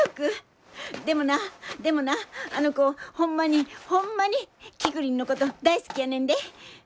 でもなでもなあの子ホンマにホンマにキクリンのこと大好きやねんで！